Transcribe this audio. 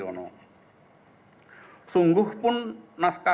yang selalu menjelaskan